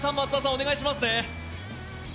お願いしますね。